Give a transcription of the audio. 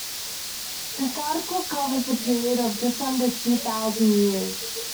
This article covers a period of just under two thousand years.